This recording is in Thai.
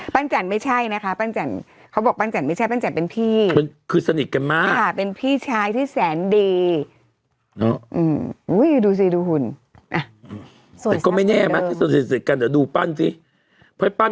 ปั้นจันนี่ไม่ใช่นะคะเขาบอกปั้นจันนี่เป็นพี่คือสนิทกันมากเป็นพี่ชายที่แสนดีดูซิดูหุ่น